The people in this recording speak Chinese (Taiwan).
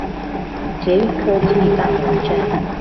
捷運科技大樓站